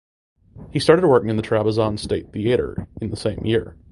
He started working in the Trabzon State Theater in the same year.